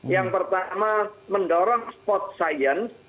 yang pertama mendorong sport science